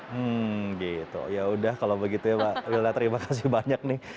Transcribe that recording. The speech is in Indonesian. hmm gitu ya udah kalau begitu ya mbak wilna terima kasih banyak nih